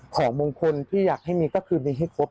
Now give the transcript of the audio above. ของมงคลที่อยากให้มีก็คือมีให้ครบ